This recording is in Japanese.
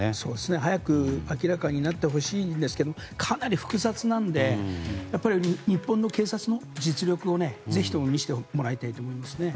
早く明らかになってほしいんですけどかなり複雑なので、やっぱり日本の警察の実力をねぜひとも見せてもらいたいと思いますね。